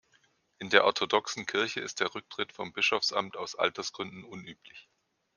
In der orthodoxen Kirche ist der Rücktritt vom Bischofsamt aus Altersgründen unüblich.